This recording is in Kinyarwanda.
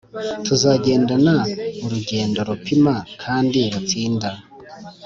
tuzagendana urugendo rupima kandi rutinda,